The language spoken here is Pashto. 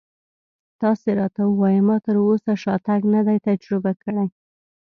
تاسې راته ووایئ ما تراوسه شاتګ نه دی تجربه کړی.